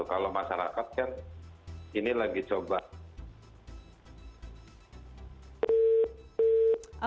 kalau masyarakat kan ini lagi coba